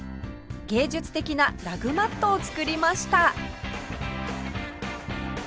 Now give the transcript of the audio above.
芸術的なラグマットを作りました